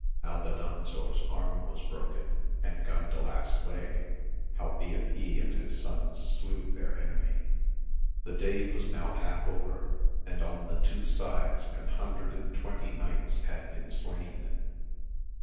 Albadanzor's arm was broken, and Gandalac's leg ; howbeit he and his sons slew their enemy. The day was now half over, and on the two sides an hundred and twenty knights had been slain.